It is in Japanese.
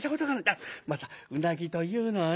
あっまた鰻というのはね